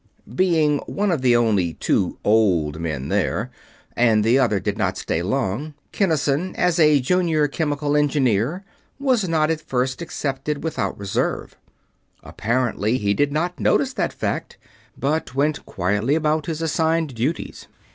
Being one of the only two "old" men there and the other did not stay long Kinnison, as a Junior Chemical Engineer, was not at first accepted without reserve. Apparently he did not notice that fact, but went quietly about his assigned duties.